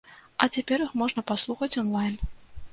А цяпер іх можна паслухаць он-лайн.